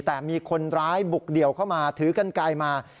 แต่มีคนร้ายบุกเดี่ยวเข้ามาถือกันไกลมา